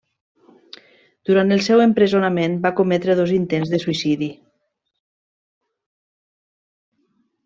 Durant el seu empresonament va cometre dos intents de suïcidi.